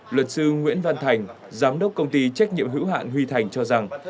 luật sư nguyễn văn thành giám đốc công ty trách nhiệm hữu hạn huy thành cho rằng